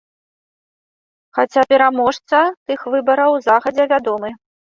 Хаця пераможца тых выбараў загадзя вядомы.